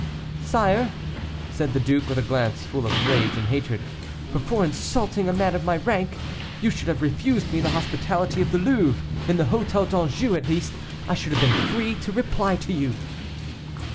"Sire," said the duke, with a glance full of rage and hatred, "before insulting a man of my rank, you should have refused me the hospitality of the Louvre; in the Hotel d'Anjou, at least, I should have been free to reply to you."